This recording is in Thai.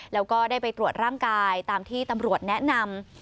แล้วก็ได้ไปตรวจร่างกายตามที่ตำรวจแนะนำ